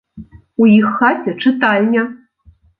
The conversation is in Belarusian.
У іх хаце чытальня.